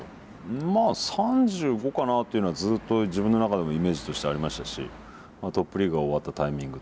まあ３５かなっていうのはずっと自分の中でもイメージとしてありましたしトップリーグが終わったタイミングと。